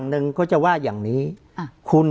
คุณลำซีมัน